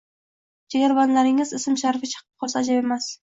jigarbandlaringiz ism-sharifi chiqib qolsa ajab emas.